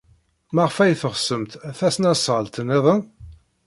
Maɣef ay teɣsemt tasnasɣalt niḍen?